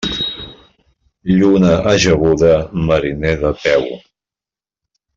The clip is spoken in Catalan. Lluna ajaguda, mariner de peu.